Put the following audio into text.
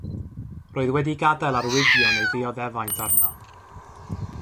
Roedd wedi gadael arwyddion ei ddioddefaint arno.